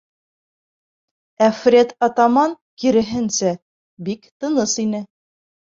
Ә Фред-атаман, киреһенсә, бик тыныс ине.